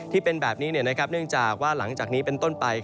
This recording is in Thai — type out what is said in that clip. ที่เป็นแบบนี้เนื่องจากว่าหลังจากนี้เป็นต้นไป